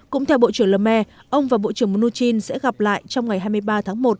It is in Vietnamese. cũng theo bộ trưởng lee ông và bộ trưởng mnuchin sẽ gặp lại trong ngày hai mươi ba tháng một